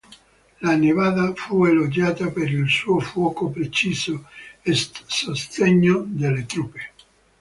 La Nevada fu elogiata per il suo fuoco preciso a sostegno delle truppe.